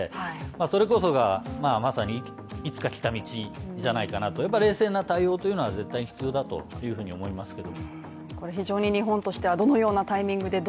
それこそがまさにいつか来た道じゃないかなといえば冷静な対応というのは絶対必要だというふうに思いますけど。